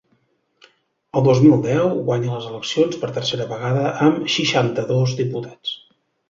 El dos mil deu guanya les eleccions per tercera vegada, amb seixanta-dos diputats.